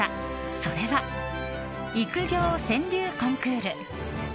それは「育業」川柳コンクール。